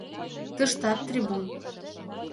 Тыштат трибун.